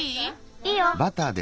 いいよ！